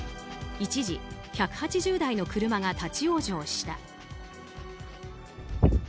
一時、１８０台の車が立ち往生した。